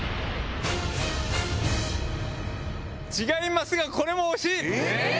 違いますが、これも惜しい。